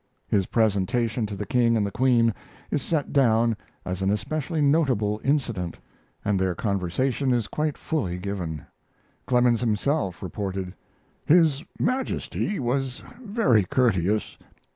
His presentation to the King and the Queen is set down as an especially notable incident, and their conversation is quite fully given. Clemens himself reported: His Majesty was very courteous.